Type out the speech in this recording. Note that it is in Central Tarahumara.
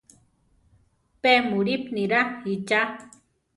Pe mulípi niráa ichá.